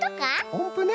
おんぷね。